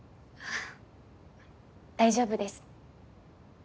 大丈夫です。